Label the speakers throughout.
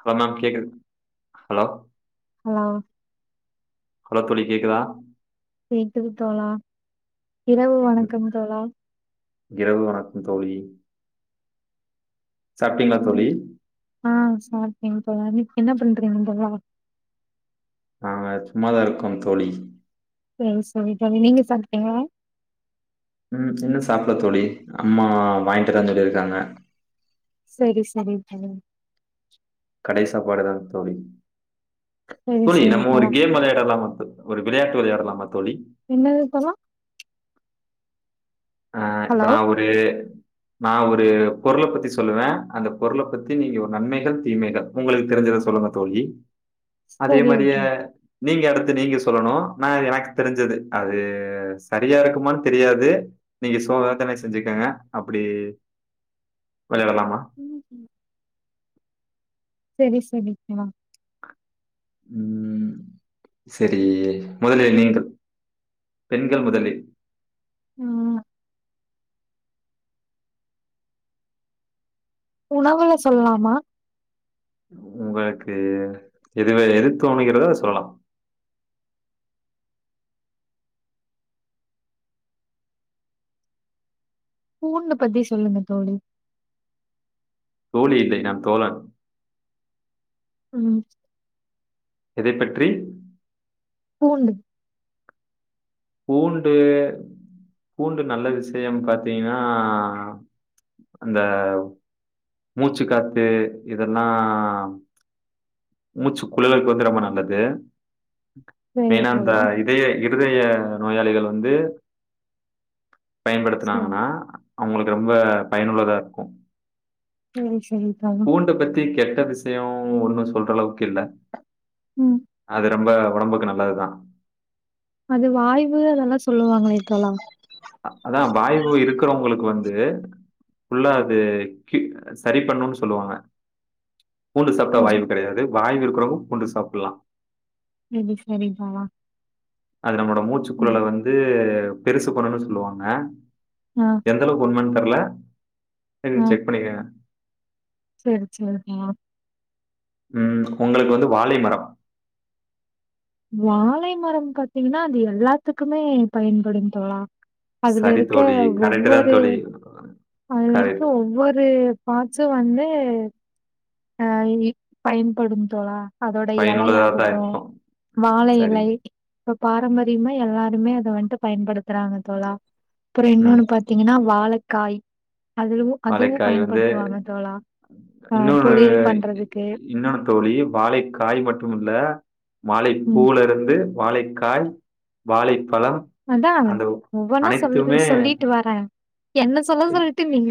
Speaker 1: Hello ma'am கேக்குது hello
Speaker 2: hello
Speaker 1: hello தோழி கேக்குதா
Speaker 2: கேக்குது தோழா இரவு வணக்கம் தோழா
Speaker 1: இரவு வணக்கம் தோழி சாப்ட்டிங்ளா தோழி
Speaker 2: ஹான் சாப்ட்டே தோழா இப் என்ன பண்ட்ர்கிங் நீங்கள்ளா
Speaker 1: அ சும்மாதா இருக்கோம் தோழி
Speaker 2: செரி செரிப்ப நீங்க சாப்ட்டிங்ளா
Speaker 1: ம் இன்னு சாப்ல தோழி அம்மா வாங்கிட்டு வரே சொல்லிருக்காங்க
Speaker 2: செரி செரி தோழா
Speaker 1: கடை சாப்பாடுதான் தோழி
Speaker 2: சரி
Speaker 1: தோழி
Speaker 2: சரி
Speaker 1: நம்ம ஒரு
Speaker 2: தோழா
Speaker 1: கேம் வெளையாடலாம் தோ ஒரு விளையாட்டு விளையாடலாம
Speaker 2: என்னது தோழா
Speaker 1: அ இப்ப
Speaker 2: ஹலோ
Speaker 1: நா ஒரு நா ஒரு பொருள பத்தி சொல்லுவே அந்த பொருள பத்தி நீங்க நன்மைகள் தீமைகள் உங்களுக் தெரிஞ்ச தசொல்லுங்க தோழி அதே
Speaker 2: சரி
Speaker 1: மாரியே
Speaker 2: ஓகே
Speaker 1: நீங்க அடுத்து நீங்க சொல்லணு நா எனக்கு தெரிஞ்சது அது சரியா இருக்குமானு தெரியாது நீங்க சோதனை செஞ்சுக்கங்க அப்டி வெளாடலாமா
Speaker 2: செரி செரி தோழா
Speaker 1: ம் செரி முதலில் நீங்க பெண்கள் முதலில்
Speaker 2: அ உணவுல சொல்லாமா
Speaker 1: ஒர்க்கு எது எது தோணுகிறதோ அத சொல்லா
Speaker 2: பூண்டு பத்தி சொல்லுங்க தோழி
Speaker 1: தோழி இல்லைங்க நா தோழன்
Speaker 2: ம்
Speaker 1: எதை பற்றி
Speaker 2: பூண்டு
Speaker 1: பூண்டு பூண்டு நல்ல விஷயம் பாத்தீங்கனா அந்த மூச்சுக்காத்து இதெல்லா மூச்சு குழலுக்கு வந்து ரொம்ப நல்லது
Speaker 2: சரி
Speaker 1: ஏனா அந்த
Speaker 2: தோழா
Speaker 1: இதய இருதய நோயாளிகள் வந்து
Speaker 2: சரி
Speaker 1: பயன்படுத்துனாங்கனா அவுங்களுக்கு ரொம்ப பயனுள்ளதா இருக்கு
Speaker 2: செரி
Speaker 1: பூண்ட பத்தி கெட்ட விஷயோ ஒன்னு சொல்ற அளவுக்கு இல்ல
Speaker 2: ம்
Speaker 1: அது ரொம்ப ஒடம்புக்கு நல்லதுதா
Speaker 2: அது வாய்வு அதெல்லா சொல்லுவாங்ளே தோழா
Speaker 1: அதா வாய்வு இருக்கிறவங்களுக்கு வந்து ஃபுல்லா
Speaker 2: ம்
Speaker 1: அது கி சரி பண்ணுனு சொல்வாங்க பூண்டு சாப்ட்டா
Speaker 2: சரி
Speaker 1: வாய்வு கெடையாது வாய்வு இருக்குறவங்க பூண்டு சாப்ல்லா
Speaker 2: செரி செரி பா
Speaker 1: அது நம்ளோட மூச்சுக்குழல வந்து பெருசு பண்னுனு சொல்லுவாங்க
Speaker 2: ஆ
Speaker 1: எந்த அளவு உண்மனு தெர்ல எதுக்கு செக் பண்ணிக்கங்
Speaker 2: சேரி சேரி பா
Speaker 1: ம் உங்களுக்கு வந்து வாலி மரோ
Speaker 2: வாழை மரோ பாத்தீங்னா அது எல்லாத்துக்குமே பயன்படு தோழா அதுல
Speaker 1: சரி
Speaker 2: இருக்க
Speaker 1: தோழி. கரெக்ட் தான்
Speaker 2: ஒவ்வொரு
Speaker 1: தோழி.
Speaker 2: அதுல இருக்க
Speaker 1: கரெக்ட்.
Speaker 2: ஒவ்வொரு ஃபார்ட்ஸு வந் து எ பயன்படும் தோழா அதோட
Speaker 1: பயனுள்ளதா தான்
Speaker 2: எலையாகட்டு
Speaker 1: இருக்கும்.
Speaker 2: வாழை
Speaker 1: சரி.
Speaker 2: எலை இப்ப பாரம்பரியமா எல்லாருமே அத வந்ட்டு பயன்படுத்துறாங்க தோழா அப்றோ
Speaker 1: ம்.
Speaker 2: இன்னொன்னு பாத்தீங்கனா வாழக்காய் அதுலவு அதுவு
Speaker 1: வாழைக்காய் வந்து
Speaker 2: பயன்படுத்துவாங்க தோழா அ
Speaker 1: இன்னொன்னு
Speaker 2: பொரியல் பண்றதுக்கு.
Speaker 1: இன்னொன்னு தோழி வாழைக்காய் மட்டுமல்ல வாழை
Speaker 2: ம்
Speaker 1: பூல இருந்து வாழைக்காய் வாழை
Speaker 2: அதா ஒவ்வொன்னா
Speaker 1: அனைத்துமே
Speaker 2: சொல்றீஸ் சொல்லிட்டு வரேன் என்ன சொல்ல சொல்ட்டு நீங்க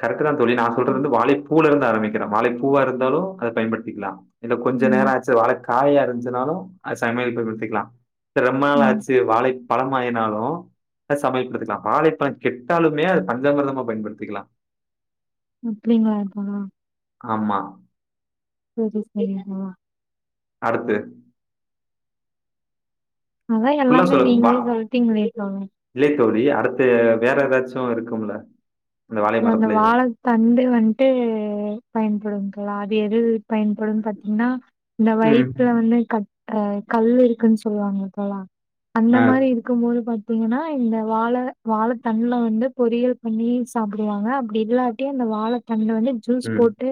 Speaker 1: கரெக்ட்டுதா தோழி நா சொல்றது
Speaker 2: ம்,
Speaker 1: வந்து வாழைப்பூல இருந்து ஆரம்பிக்கிறோ வாழைப்பூவா இருந்தாலு அத பயன்படுத்திக்கலா இதுல கொஞ்ச நேரோ
Speaker 2: ம்,
Speaker 1: ஆச்சு வாழைக்காயா இருந்துச்சுனாலு அத சமையலுக்கு பயன்படுத்திக்கலா ரொம்ப
Speaker 2: ம்.
Speaker 1: நாளாச்சு வாழை பழமாயினாலு அத சமையல்படுத்திக்கலா வாழைப்பழோ கெட்டாலுமே அது பஞ்சாமிரதமா பயன்படுத்திக்கலா
Speaker 2: அப்டிங்ளா தோழா
Speaker 1: ஆமா
Speaker 2: செரி செரி வா
Speaker 1: அடுத்து
Speaker 2: அதா
Speaker 1: ஃபுல்லா
Speaker 2: எல்லாமே
Speaker 1: சொல்ல வா
Speaker 2: நீங்ளே சொல்ட்டீங்ளே தோழா
Speaker 1: இல்ல தோழி அடுத்து வேற எதாச்சு இருக்குமல்ல
Speaker 2: அந்த வாழைத்தண்டு வந்ட்டு பயன்படும் தோழா அது எது பயன்படும்ன்னு பாத்தீங்கனா இந்த
Speaker 1: ம்
Speaker 2: வயித்துல வந்து க அ கல் இருக்குனு சொல்லுவாங்க இப்பல்லா அந்த
Speaker 1: ஆ,
Speaker 2: மாரி இருக்குபோது பாத் தீங்கனா இந்த வாழ வாழத்தண்டல வந்து பொறியல் பண்ணி ஸ் சாப்டுவாங்க அப்டி இல்லாட்டி அந்த வாழத் தண்டு வந்து ஜூஸ்
Speaker 1: ம்,
Speaker 2: போட்டு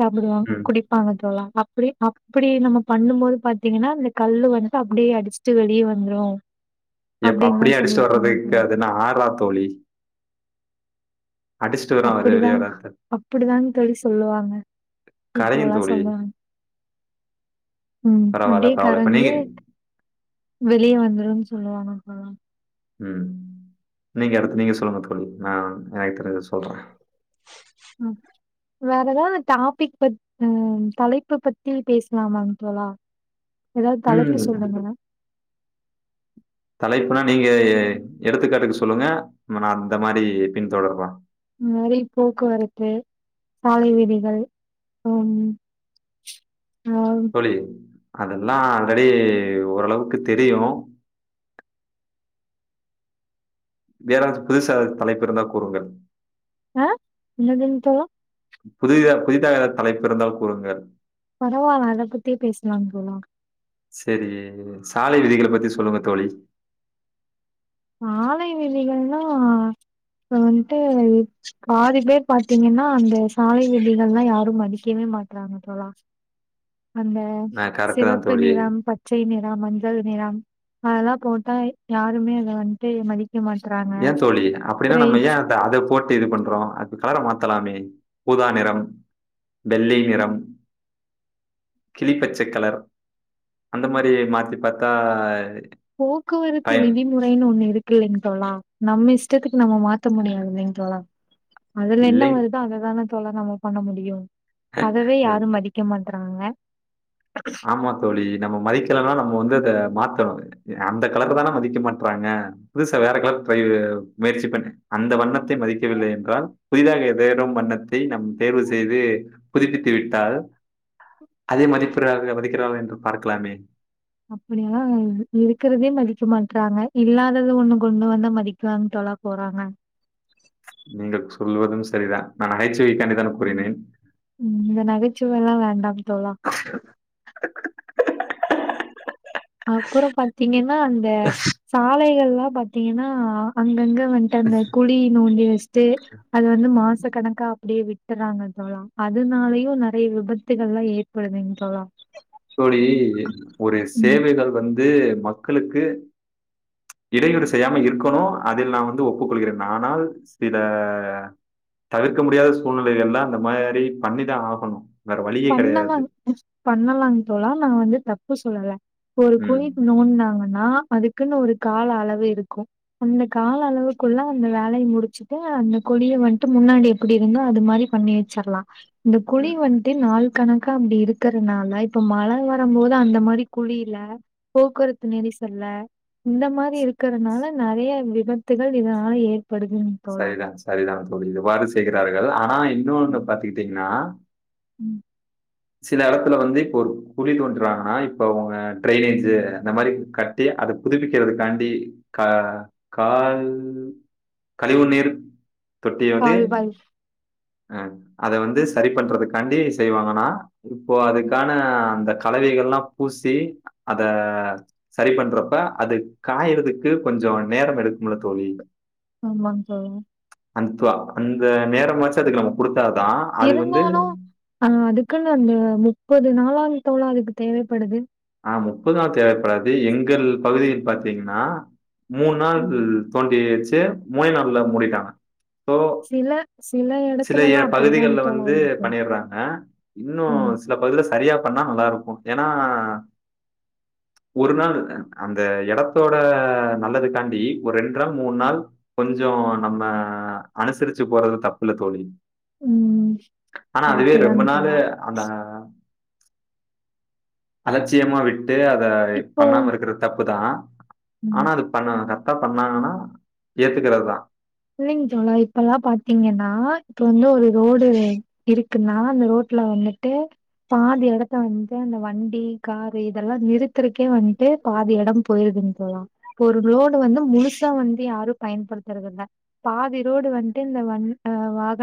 Speaker 2: சாப்டுவாங்க
Speaker 1: ம்.
Speaker 2: குடிப்பாங்க தோழா அப்டி அப்டி நம்ம பண்ணு போது பாத்தீங்கனா இந்த கல்லு வந்து அப்டியே அடிச்சுட்டு வெளிய வந்துரு
Speaker 1: ஏப்பா
Speaker 2: அப்டின்லாம்
Speaker 1: அப்டியே அடிச்சுட்டு வர்றது
Speaker 2: சொல்லியிருக்காங்க
Speaker 1: இங்க
Speaker 2: தோழி.
Speaker 1: அது என்ன ஆறா தோழி அடிச்சுட்டு வரும் அது
Speaker 2: அப்டிதா
Speaker 1: வெளியே வராது
Speaker 2: அப்டிதானுங்க தோழி சொல்லுவாங்க
Speaker 1: கரையும்
Speaker 2: ஈக்குவலா
Speaker 1: தோழி
Speaker 2: சொல்வாங்க ம்
Speaker 1: பரவாயில்ல
Speaker 2: அப்டியே
Speaker 1: பரவாயில்ல இப்ப நீங்க
Speaker 2: கரஞ்சு வெளிய வந்துரும்னு சொல்லுவாங்க அப்பல்லா
Speaker 1: ம் நீங்க அடுத்து நீங்க சொல்லுங்க தோழி நா நியாத் தெரிஞ்சத சொல்றே
Speaker 2: ம். வேற எதாவது டாபிக் பத் ம் தலைப்பு பத்தி பேசலாமாங்க தோழா எதாவது தலைப்பு
Speaker 1: ம்
Speaker 2: சொல்லுங்களா
Speaker 1: தலைப்புனா நீங்க எடுத்துக்காட்டுக்கு சொல்லுங்க நா அந்த மாரி பின் தொடர்ர
Speaker 2: இந்த மாரி போக்குவரத்து சாலை விதிகள் ஹம் [inaudible]
Speaker 1: தோழி அதெல்லா ஆல்ரெடி ஓரளவுக்கு தெரியு வேறேதாச்சு புதுசா எதாவது தலைப்பு இருந்தா கூறுங்கள்
Speaker 2: அ என்னதுங்க தோழா
Speaker 1: புதித புதிதாக தலைப்பு இருந்தால் கூறுங்கள்
Speaker 2: பரவால்ல அத பத்தியே பேசலாங்க தோழா
Speaker 1: சேரி சாலை விதிகளை பத்தி சொல்லுங்க தோழி
Speaker 2: சாலை விதிகள்னா இப்ப வந்துட்டு பாதி பேர் பாத்தீங்கன்னா அந்த சாலை விதிகள்ளா யாரு மதிக்கவே மாட்றாங்க தோழா அந்த
Speaker 1: ஆ கரெக்ட்டு தான்
Speaker 2: சிவப்பு
Speaker 1: தோழி.
Speaker 2: நிறம் பச்சை நிறம் மஞ்சள் நிறம் அதெல்லா போட்டா யாருமே அத வந்துட்டு மதி
Speaker 1: ஏ தோழி அப்டினா நம்ம ஏன் அந்த அத போட்டு இது பண்றோ அதுக்கு கலர மாத் தலாமே ஊதா நிறம் வெள்ளை நிறம் கிளி பச்சை கலர் அந்த மாரியே மாத்தி பாத்தா
Speaker 2: போக்குவரத்து விதிமுறைனு ஒன்னு இருக்குளிங் தோழா நம்ம இஷ்டத்துக்கு நம்ம மாத்த முடியாதுலீங் தோழா அதுல என்ன
Speaker 1: இல்லை.
Speaker 2: வருதோ அதுதான தோழா நம்ம பண்ண முடியு அதவே யாரு மதிக்க மாட்றாங்க
Speaker 1: ஆமா தோழி நம்ம மதிக்கலனா நம்ம வந்து அத மாத்தணு எ அந்த கலர் தான மதிக்க மாட்றாங்க புதுசா வேற கலர் ட்ரை முயற்சி பண்ணி அந்த வண்ணத் தை மதிக்கவில்லை என்றால் புதிதாக எதேனும் வண்ணத்தை நம் தேர்வு செய்து புதுப்பித்து விட்டால் அதை மதிப்பிறார்களா மதிக்கிறார்களா என்று பார்க்கலாமே
Speaker 2: அப்டியெல்லா இருக்கிறதே மதிக்க மாட்றாங்க இல்லாதத ஒண்ணு கொண்டு வந்தா மதிக்கலான்டா ல்லா போறாங்க
Speaker 1: நீங்கள் சொல்வதும் சரிதான் நான் நகைச்சுவைக்காண்டிதான கூறினேன்
Speaker 2: ம் இந்த நகைச்சுவ எல்லா வேண்டாம் தோழா அப்பறோ பாத்தீங்கனா அந்த சாலைகள்ல்லா பாத்தீங்கனா அங்கங்க வன்ட்டு அங்க குழி நோண்டி வச்சுட்டு அது வந்து மாச கணக்கா அப்டியே விட்டுறாங்க தோழா அதுனாலயு நெறைய விபத்துகள்ல்லா ஏற்படுறீங்க தோழா
Speaker 1: தோழி ஒரு
Speaker 2: ம்.
Speaker 1: சேவைகள் வந்து மக்களுக்கு இடையூறு செய்யாம இருக்கணு அதில் நா வந்து ஒப்புக்கொள்கிறேன் ஆனால் சில தவிர்க்க முடியாத சூழ்நிலைகள் எல்லா அந்த மாரி பண்ணிதா ஆகணு
Speaker 2: பண்ணலாங் பண்ணலாங் லா நா வந்து தப்பு சொல்லல இப்ப ஒரு
Speaker 1: ம்.
Speaker 2: குழிக்கு நோன்னுனாங்க னா அதுக்குனு ஒரு கால அளவு இருக்கு அந்த கால அளவுக்குள்ள அந்த வேலைய முடிச்சுட்டு அந்த குழிய வந்துட்டு முன்னாடி எப்பிடி இருந்தோ அது மாதிரி பண்ணி வச்சர்லா இந்த குழி
Speaker 1: ம்.
Speaker 2: வன்ட்டு நாள் கணக்கா அப்டி இருக்கறனால இப்ப மழ வரம்போது அந்த மாரி குழி ல போக்குவரத்து நெரிசல்ல இந்த மாரி இருக்கறனால நறையா விபத்துகள் இதனால ஏற்
Speaker 1: சரிதா சரிதா தோழி இதுவாறு செய்கிறார்கள் ஆனா இன்னொனு
Speaker 2: ம்,
Speaker 1: பாத்துகிட்டிங்னா
Speaker 2: ம்
Speaker 1: சில எடத்துல வந்து இப்ப ஒரு குழி தோண்டுறாங்கனா இப்ப அவங்க டிரைனேஜு அந்த மாரி கட்டி அத புதுப்பிக்கிறதுக்காண்டி க கால் கழிவு நீர் தொட்டிய வந்து
Speaker 2: கால்வாய்
Speaker 1: அ அத வந்து சரி பண்றதுக்காண்டி செய்வாங்கனா இப்போ
Speaker 2: ம்.
Speaker 1: அதுக்கான அந்த கலவைகள்லா பூசி அத சரி பண்றப்ப அது காயறதுக்கு கொஞ்ச நேரம் எடுக்கும்ல தோழி
Speaker 2: ஆமாங் தோழா
Speaker 1: அந்த்துவா அந்த நேரமாச்சு அதுக்கு நம்ம குடுத்
Speaker 2: இருந்தாலு அ அதுக்குன் அந்த முப்பது நாலாங் தோழா அதுக்கு தேவைப்படுது
Speaker 1: ஆ முப்பது நாள் தேவைப்படாது எங்கள் பகுதியில் பாத்திங்கனா மூணு நாள்
Speaker 2: ம்,
Speaker 1: தோண் டி வெச்சு மூணே நாள்ல
Speaker 2: ம்.
Speaker 1: மூடிட்டாங்க சோ
Speaker 2: சில சில
Speaker 1: சில
Speaker 2: இடத்துலலாம் அப்படிதாங்க
Speaker 1: பகுதிகள்ல
Speaker 2: தோழா
Speaker 1: வந்து
Speaker 2: இருக்கு.
Speaker 1: பண்ணிர்றாங்க இன்னு
Speaker 2: ம்,
Speaker 1: ஒரு சில பகுதியில சரியா பண்ணா நல்லா இருக்கு ஏனா ஒரு நாள் அந்த எடத்தோட நல்லதுக்காண்டி ஒரு ரெண்டு நாள் மூணு நாள் கொஞ்ச நம்ம அனுசரிச்சு போறது தப்பில்ல தோழி
Speaker 2: ம்.
Speaker 1: ஆனா அதுவே
Speaker 2: கரெக்ட்டு
Speaker 1: ரொம்ப
Speaker 2: தாங்க
Speaker 1: நாளு
Speaker 2: தோழா.
Speaker 1: அந்தா அலட்சியமா விட்டு அத
Speaker 2: இப்போ
Speaker 1: பண்ணாம இருக்றது தப்புதா
Speaker 2: ம்.
Speaker 1: ஆனா அது பண்ணனு க ரக்டா பண்ணாங்கனா ஏத்துக்கறதா
Speaker 2: இல்லைங்க தோழா இப்பல்லா பாத்திங்கனா இப்ப வந்து ஒரு ரோடு இருக்குன்னா அந்த ரோட் ல வந்துட்டு பாதி எடத்த வந்து அந்த வண்டி காரு இதெல்லா நிறுத்தறக்கே வன்ட்டு பாதி எடம் போயிருது ங் தோழா இப்ப ஒரு ரோடு வந்து முழுசா வந்து யாரு பயன்படுத்துறதில்ல பாதிரோடு வன்ட்டு இந்த வண் டி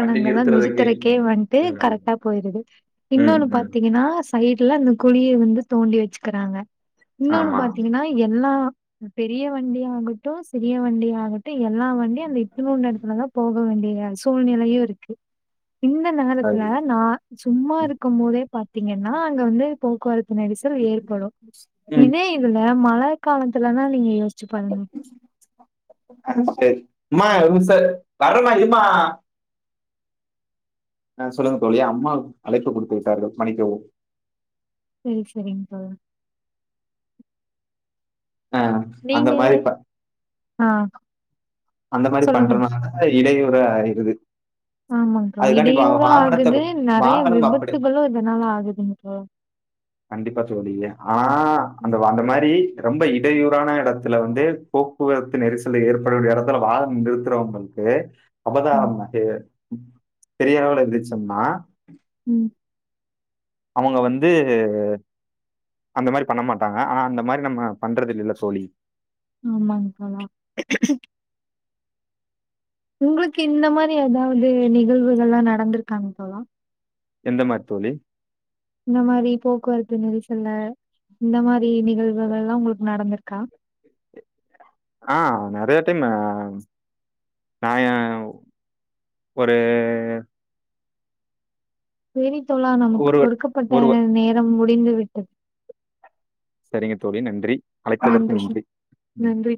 Speaker 1: வண்டி நிறுத்துறதுக்கு
Speaker 2: நிறுத்தறக்கே வண்ட்டு
Speaker 1: ம்
Speaker 2: கரெக்டா போயிருது
Speaker 1: ம்
Speaker 2: இன்னோனு
Speaker 1: ம்
Speaker 2: பாத்திங்கனா சைடு ல அந்த குழிய வந்து தோண்டி வெச்சுக்கறாங்க இன்னொனு
Speaker 1: ஆமா
Speaker 2: பாத்திங்கனா எல்லா பெரிய வண்டி ஆகட்டு சிறிய வண்டியாகட்டு எல்லா வண்டியு அந்த இத்துணூன்டு எடத்துலதா போக போக வேண்டிய சூழ்நிலையு இருக்கு இந்த நேரத்துல
Speaker 1: அது
Speaker 2: நா சும்மா இருக்கும் போதே பாத்திங்கனா அங்க வந்து போக்குவரத்து நெரிசல் ஏற்படு
Speaker 1: ம்
Speaker 2: இதே இதுல மழ காலத்துலனா நீங்க யோசிச்சு பாருங்க.
Speaker 1: அது சரி மா வறமா இர்மா ஆ சொல்லுங்க தோழி அம்மா அழைப்பு குடுத்து விட்டார்கள் மன்னிக்கவும்
Speaker 2: செரி செரிங் தோழா
Speaker 1: அ அந்த
Speaker 2: நீங்க
Speaker 1: மாரி ப
Speaker 2: ஆ
Speaker 1: அந்த மாரி
Speaker 2: சொல்லுங்க.
Speaker 1: பண்றனால இடையூறு ஆயிருது
Speaker 2: ஆமாங் தோ
Speaker 1: அதுக்காண்டி வா-
Speaker 2: இடையூறூ
Speaker 1: வாகனத்தை
Speaker 2: ஆகுது நறைய
Speaker 1: வாகனம் அப்படி
Speaker 2: விபத்துகளு இதனால ஆகுதுங்க தோழா
Speaker 1: கண்டிப்பா தோழியே ஆனா அந்த
Speaker 2: ம்,
Speaker 1: அந்த மாரி ரொம்ப இடையூறான எடத்துல வந்து போக்குவரத்து நெரிசல் ஏற்படகூடிய எடத் துல வாகனம் நிறுத்தறவங்களுக்கு
Speaker 2: ம்,
Speaker 1: அபதாரம் பெரிய அளவுல இருந்துச்சுன்னா
Speaker 2: ம்
Speaker 1: அவுங்க வந்து அந்த மாரி பண்ண மாட்டாங்க ஆனா அந்த மாரி நம்ம பண்றது இல்லேல தோழி
Speaker 2: ஆமாங் தோழா உங்களுக்கு இந்த மாரி எதாவது நிகழ்வுகள்லா நடந்துருக்காங்க தோழா
Speaker 1: எந்த மார் தோழி
Speaker 2: இந்த மாரி போக்குவரத்து நெரிசல்ல இந்த மாரி நிகழ்வுகள்லா உங்களுக்கு நடந்துருக்கா
Speaker 1: ஆ நெறையா டைமு நா ஏ ஒரு
Speaker 2: செரி தோழா நமக்கு
Speaker 1: ஒரு
Speaker 2: கொடுக்கப்பட்ட
Speaker 1: ஒரு
Speaker 2: நே நேரம் முடிந்து விட்டது
Speaker 1: சரிங்க தோழி நன்றி அழைத்ததற்கு நன்றி ம்
Speaker 2: நன்றி.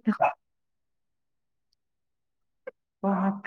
Speaker 1: வணக்க